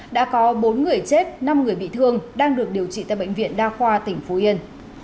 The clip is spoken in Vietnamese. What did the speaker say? đã có bốn người chết năm người bị thương đang được điều trị tại bệnh viện đa khoa tỉnh phú yên